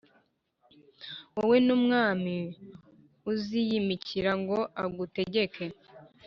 wowe n’umwami+ uziyimikira ngo agutegeke,